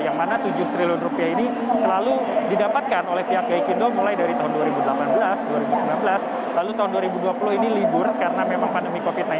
yang mana tujuh triliun rupiah ini selalu didapatkan oleh pihak gaikindo mulai dari tahun dua ribu delapan belas dua ribu sembilan belas lalu tahun dua ribu dua puluh ini libur karena memang pandemi covid sembilan belas